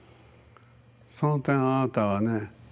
その点あなたはね